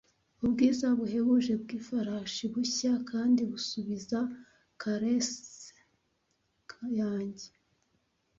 Ubwiza buhebuje bw'ifarashi, bushya kandi busubiza caresses yanjye,